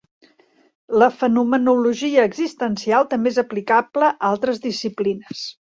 La fenomenologia existencial també és aplicable a altres disciplines.